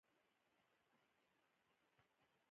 سود باید عادلانه وي تر څو خلک یې ومني.